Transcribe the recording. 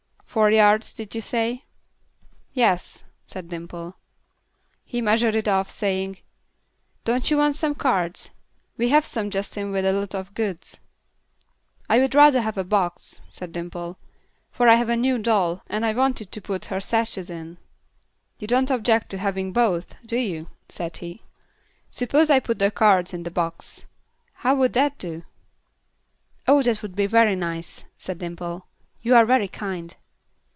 "Four yards, did you say?" "Yes," said Dimple. He measured it off, saying, "Don't you want some cards? We have some just in with a lot of goods." "I would rather have a box," said Dimple; "for I have a new doll, and I want it to put her sashes in." "You don't object to having both, do you?" said he. "Suppose I put the cards in the box. How would that do?" "Oh, that would be very nice," said Dimple; "you are very kind."